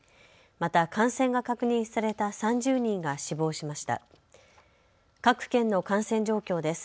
また感染が確認された３０人が死亡しました。